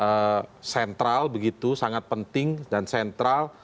abdulrahman ini sentral begitu sangat penting dan sentral